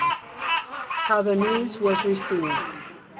HOW THE NEWS WAS RECEIVED.